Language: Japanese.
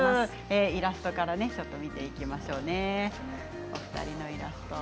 イラストから見ていきましょうね。